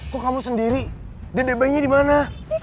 kok kamu sendiri dan bayinya dimana